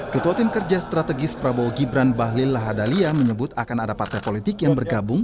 ketua tim kerja strategis prabowo gibran bahlil lahadalia menyebut akan ada partai politik yang bergabung